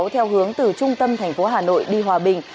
theo hướng từ trung tâm thành phố hà nội đi hòa bình